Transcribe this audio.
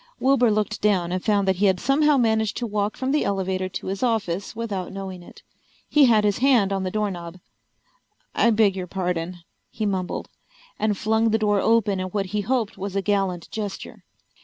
Wilbur looked down and found that he had somehow managed to walk from the elevator to his office without knowing it. He had his hand on the doorknob. "I beg your pardon," he mumbled, and flung the door open in what he hoped was a gallant gesture.